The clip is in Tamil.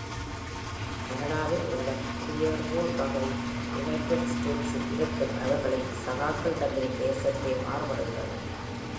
கனடாவில் உள்ள குடியேறுவோர் வகை யுனைடெட் ஸடேட்ஸில் இருக்கும் அவர்களின் சாகக்களிடமிருந்து சற்றே மாறுபடுகிறது.